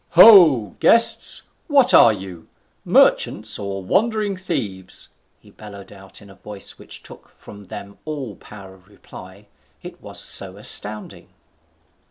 "Ho! guests, what are you? Merchants or wandering thieves?" he bellowed out in a voice which took from them all power of reply, it was so astounding.